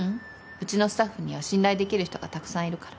うちのスタッフには信頼できる人がたくさんいるから。